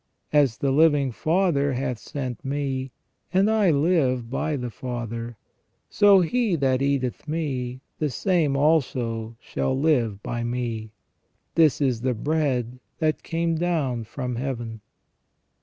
As the living Father hath sent Me, and I live by the Father j so he that eateth Me, the same also shall live by Me. This is the bread that came down from Heaven."